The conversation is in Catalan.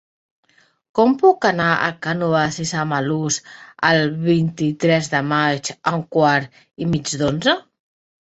Com puc anar a Cànoves i Samalús el vint-i-tres de maig a un quart i mig d'onze?